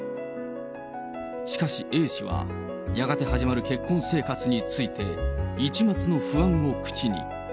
しかし、Ａ氏はやがて始まる結婚生活について、一抹の不安を口に。